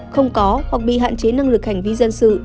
không có hoặc bị hạn chế năng lực hành vi dân sự